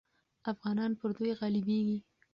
افغانان پر دوی غالبېږي.